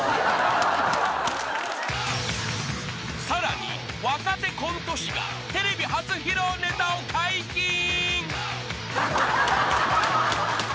［さらに若手コント師がテレビ初披露ネタを解禁］